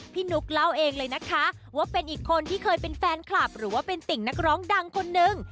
นุ๊กเล่าเองเลยนะคะว่าเป็นอีกคนที่เคยเป็นแฟนคลับหรือว่าเป็นติ่งนักร้องดังคนนึง